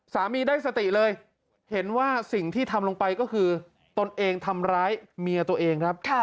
สามีได้สติเลยเห็นว่าสิ่งที่ทำลงไปก็คือตนเองทำร้ายเมียตัวเองครับ